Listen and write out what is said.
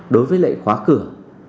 đối với lệ khóa cửa